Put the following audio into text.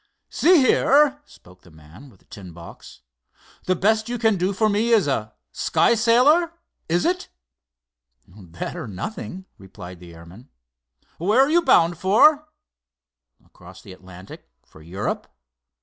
"See here," spoke the man with the tin box, "the best you can do for me is a sky sailor, is it?" "That, or nothing," replied the airman. "Where are you bound for?" "Across the Atlantic, for Europe."